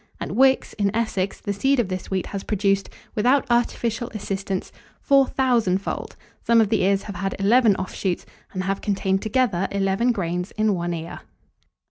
At Wix, in Essex, the seed of this wheat has produced, without artificial assistance, four thousandfold; some of the ears have had eleven offshoots, and have contained, altogether, eleven grains in one ear.